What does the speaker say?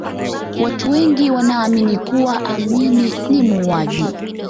watu wengi wanaamini kuwa amin ni muuaji